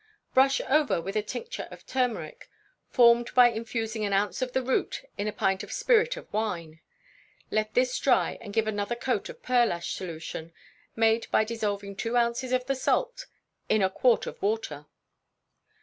_ Brush over with a tincture of turmeric, formed by infusing an ounce of the root in a pint of spirit of wine; let this dry, and give another coat of pearlash solution, made by dissolving two ounces of the salt in a quart of water.